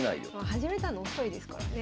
始めたの遅いですからね。